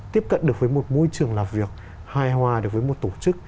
tiếp cận được với một môi trường làm việc hài hòa được với một tổ chức